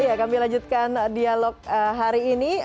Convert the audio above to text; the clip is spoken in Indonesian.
iya kami lanjutkan dialog hari ini